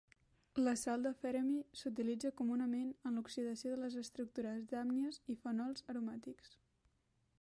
La sal de Fremy s'utilitza comunament en l'oxidació de les estructures d'amines i fenols aromàtics.